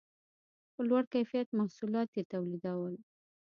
په لوړ کیفیت محصولات یې تولیدول